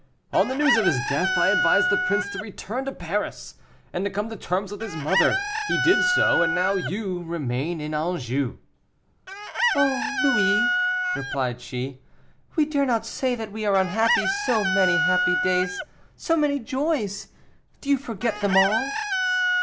On the news of his death, I advised the prince to return to Paris, and to come to terms with his mother; he did so, and now you remain in Anjou." "Oh, Louis," replied she, "we dare not say that we are unhappy; so many happy days, so many joys do you forget them all?"